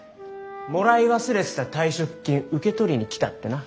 もらい忘れてた退職金受け取りに来たってな。